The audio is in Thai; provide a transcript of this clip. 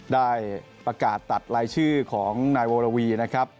ได้ประกาศตัดรายชื่อของนายวรวีนะครับ